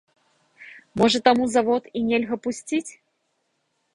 Можа, таму завод і нельга пусціць?